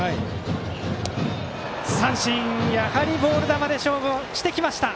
やはりボール球で勝負をしてきました。